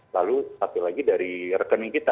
lalu satu lagi dari rekening kita